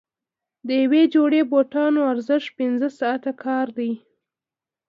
د یوې جوړې بوټانو ارزښت پنځه ساعته کار دی.